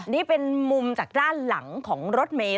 นี่เป็นมุมจากด้านหลังของรถเมย์